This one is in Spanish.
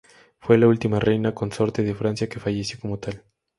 Fue la última Reina consorte de Francia que falleció como tal.